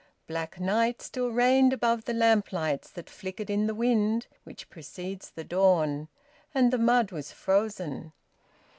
Black night still reigned above the lamplights that flickered in the wind which precedes the dawn, and the mud was frozen.